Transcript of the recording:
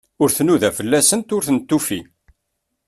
Ur tnuda fell-asent, ur tent-tufi.